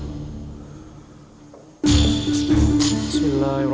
kanjeng temenggu harus pergi